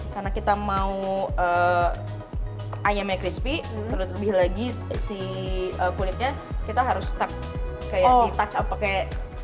karena kita mau ayamnya crispy terlebih lagi si kulitnya kita harus step kayak di touch up pakai